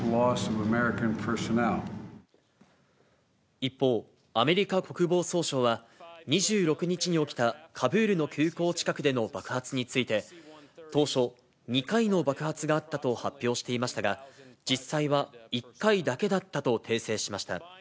一方、アメリカ国防総省は２６日に起きたカブールの空港近くでの爆発について、当初、２回の爆発があったと発表していましたが、実際は１回だけだったと訂正しました。